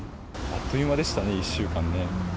あっという間でしたね、１週間ね。